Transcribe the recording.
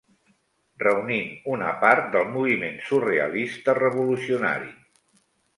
Reunint una part del moviment surrealista-revolucionari